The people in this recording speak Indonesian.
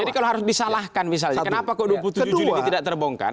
jadi kalau harus disalahkan misalnya kenapa kok dua puluh tujuh juli ini tidak terbongkar